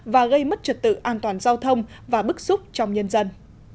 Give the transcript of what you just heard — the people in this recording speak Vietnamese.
và gây mất trật tự an toàn giao thông và bức xúc trong nhân dân